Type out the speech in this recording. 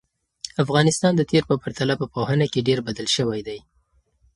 افغانستان د تېر په پرتله په پوهنه کې ډېر بدل شوی دی.